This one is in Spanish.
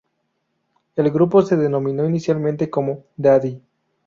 El grupo se denominó inicialmente como Daddy.